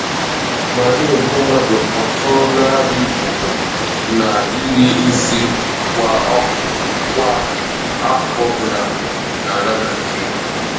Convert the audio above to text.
ma na-egbu mmadụ otu narị puku na iri isii kwà ahọ ọbụla n'ala Nigeria